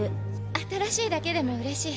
新しいだけでもうれしい。